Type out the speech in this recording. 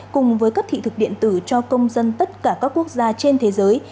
cùng với cấp thị thực điện tử cho công dân tất cả các quốc gia trên thế giới